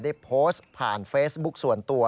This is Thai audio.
ได้โพสต์ผ่านเฟซบุ๊คส่วนตัว